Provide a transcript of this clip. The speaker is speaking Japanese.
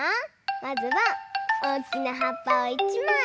まずはおおきなはっぱを１まい。